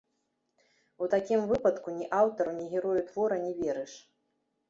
У такім выпадку ні аўтару, ні герою твора не верыш.